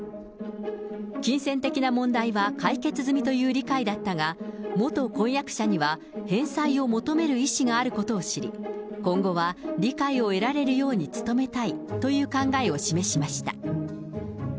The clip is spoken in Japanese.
金銭的な問題は解決済みという理解だったが、元婚約者には返済を求める意思があることを知り、今後は理解を得られるように努めたいという考えを示しました。